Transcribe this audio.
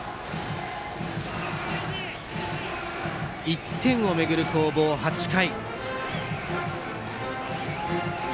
１点をめぐる攻防、８回。